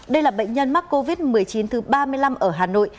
đây là bệnh nhân mắc covid một mươi chín thứ ba mươi năm ở hà nội